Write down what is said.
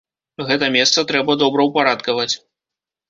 Гэта месца трэба добраўпарадкаваць.